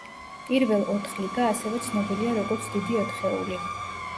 პირველ ოთხ ლიგა ასევე ცნობილია როგორც დიდი ოთხეული.